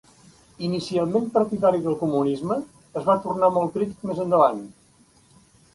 Inicialment partidari del comunisme es va tornar molt crític més endavant.